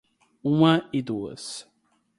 uma e duas